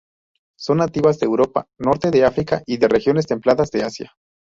Son nativas de Europa, Norte de África y de regiones templadas de Asia.